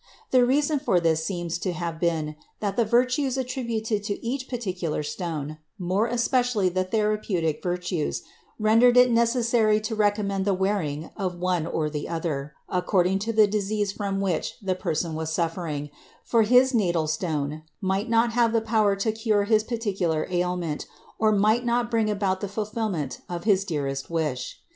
The reason for this seems to have been that the virtues attributed to each particular stone, more especially the therapeutic virtues, rendered it necessary to recommend the wearing of one or the other, according to the disease from which the person was suffering, for his natal stone might not have the power to cure his particular ailment, or might not bring about the fulfilment of his dearest wish.